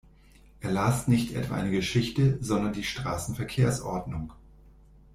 Er las nicht etwa eine Geschichte, sondern die Straßenverkehrsordnung.